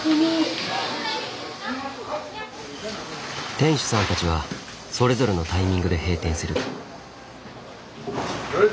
店主さんたちはそれぞれのタイミングで閉店する。